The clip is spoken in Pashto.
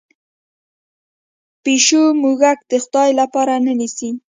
پیشو موږک د خدای لپاره نه نیسي.